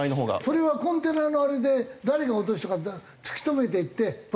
それはコンテナのあれで誰が落としたか突き止めていって罰金を科すの？